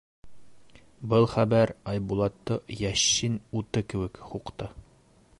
Был хәбәр Айбулатты йәшен уты кеүек һуҡты.